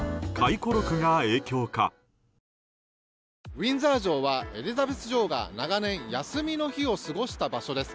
ウィンザー城はエリザベス女王が長年、休みの日を過ごした場所です。